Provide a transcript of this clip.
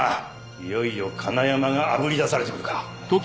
いよいよ金山があぶり出されてくるか！